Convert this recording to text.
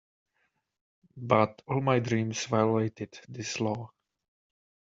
But all my dreams violated this law.